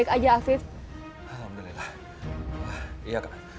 sudah kan kita memilihi